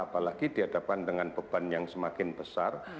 apalagi di hadapan dengan beban yang semakin besar